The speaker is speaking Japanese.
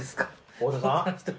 太田さん